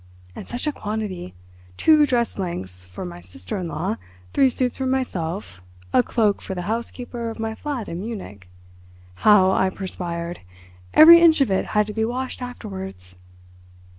And such a quantity: two dress lengths for my sister in law, three suits for myself, a cloak for the housekeeper of my flat in Munich. How I perspired! Every inch of it had to be washed afterwards."